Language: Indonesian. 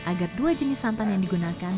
agar dua jenis santan yang digunakan